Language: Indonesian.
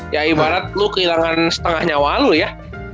ya ibarat lu kehilangan setengah nyawa lu ya